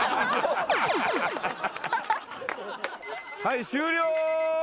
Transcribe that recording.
はい終了。